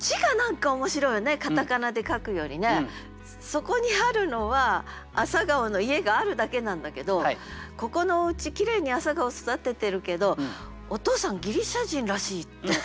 そこにあるのはあさがほの家があるだけなんだけどここのおうちきれいに朝顔育ててるけどお父さんギリシャ人らしいって。